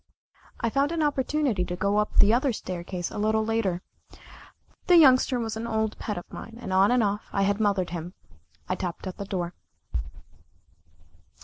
I found an opportunity to go up the other staircase a little later the Youngster was an old pet of mine, and off and on, I had mothered him. I tapped at the door.